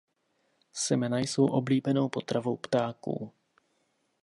Semena jsou oblíbenou potravou ptáků.